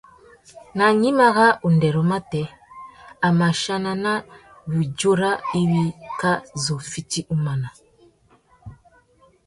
Nà gnïmá râ undêrô matê, a mà chana nà widjura iwí kā zu fiti umana.